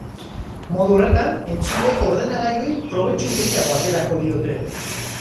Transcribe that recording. Modu horretan entzuleek ordenagailuei probetxu gehiago aterako diote.